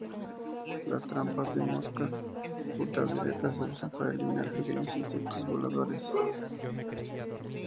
Las trampas de moscas ultravioleta se usan para eliminar pequeños insectos voladores.